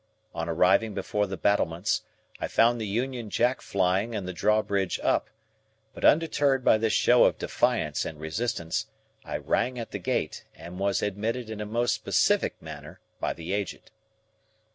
On arriving before the battlements, I found the Union Jack flying and the drawbridge up; but undeterred by this show of defiance and resistance, I rang at the gate, and was admitted in a most pacific manner by the Aged.